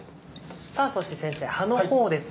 さぁそして先生葉の方ですが。